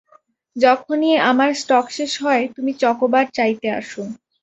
যখনই আমার স্টক শেষ হয় তুমি চকোবার চাইতে আসো।